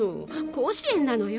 甲子園なのよ。